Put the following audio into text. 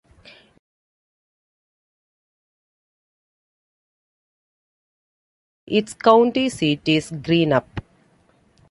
Its county seat is Greenup.